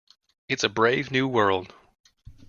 It's a brave new world.